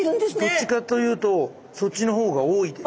どっちかというとそっちの方が多いです。